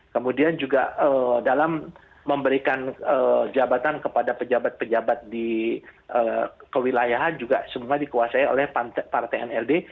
kemudian juga dalam memberikan jabatan kepada pejabat pejabat di kewilayahan juga semua dikuasai oleh partai nld